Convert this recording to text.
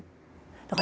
だから。